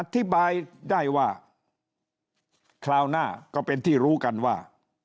อธิบายได้ว่าคราวหน้าก็เป็นที่รู้กันว่า